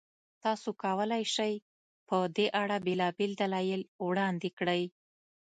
تاسو کولای شئ، په دې اړه بېلابېل دلایل وړاندې کړئ.